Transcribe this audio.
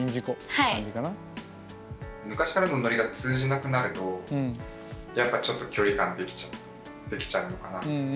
昔からのノリが通じなくなるとやっぱちょっと距離感できちゃうのかなみたいな。